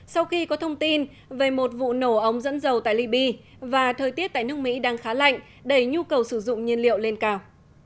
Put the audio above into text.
sau khi có thông tin về một vụ nổ ống dẫn dầu tại libya và thời tiết tại nước mỹ đang khá lạnh đẩy nhu cầu sử dụng nhiên liệu lên cao